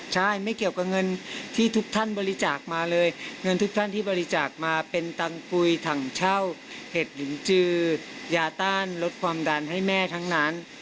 ใช่ไม่เกี่ยวกับเงินที่ทุกท่านบริจาคมาเลยเงินทุกท่านที่บริจาคมาเป็นตังกุยถังเช่าเห็ดลินจือยาต้านลดความดันให้แม่ทั้งนั้น